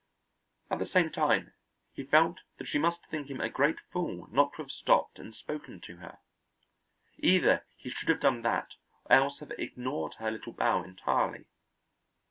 At the same time, he felt that she must think him a great fool not to have stopped and spoken to her; either he should have done that or else have ignored her little bow entirely.